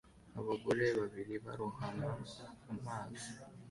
Abagore babiri barohama amazi